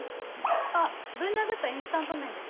あっぶん殴ったインスタント麺です。